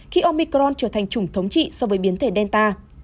khi omicron trở thành chủng thống trị so với biến thể delta